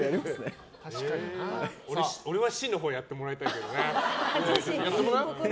俺はシーのほうやってもらいたいけどな。